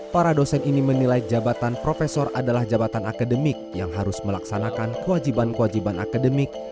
para dosen ini menilai jabatan profesor adalah jabatan akademik yang harus melaksanakan kewajiban kewajiban akademik